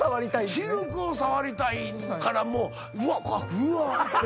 シルクを触りたいからもう「うわ！うわうわぁ」。